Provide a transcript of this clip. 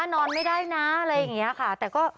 นอนไม่ได้นะอะไรอย่างนี้ค่ะ